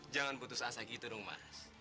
jangan putus asa gitu dong mas